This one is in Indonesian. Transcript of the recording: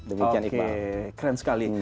oke keren sekali